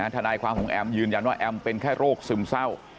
ทนายความของแอมยืนยันว่าแอมเป็นแค่โรคซึมเศร้า